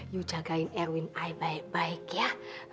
yu jagain erwin ayo baik baik ya